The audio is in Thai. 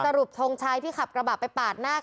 เพราะถูกทำร้ายเหมือนการบาดเจ็บเนื้อตัวมีแผลถลอก